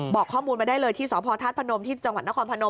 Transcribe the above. บอกข้อมูลมาได้เลยที่สพธาตุพนมที่จังหวัดนครพนม